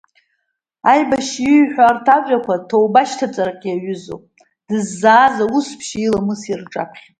Аибашьҩы ииҳәо арҭ иажәақәа ҭоуба шьҭаҵарак иаҩызоуп дыззааз аус-ԥшьеи иламыси рҿаԥхьа.